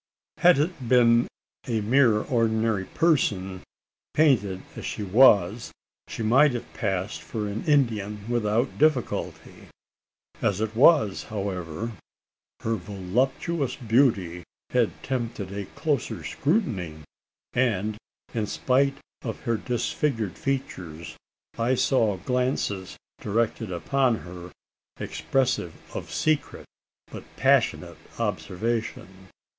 Had it been a mere ordinary person painted as she was she might have passed for an Indian without difficulty. As it was, however, her voluptuous beauty had tempted a closer scrutiny; and, spite of her disfigured features, I saw glances directed upon her expressive of secret but passionate observation.